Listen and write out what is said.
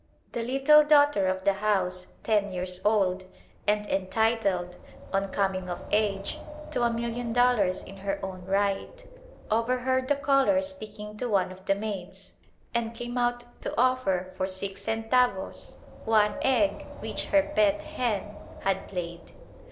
The little daughter of the house, ten years old, and entitled, on coming of age, to a million dollars in her own right, overheard the caller speaking to one of the maids, and came out to offer for six centavos one egg which her pet hen had laid.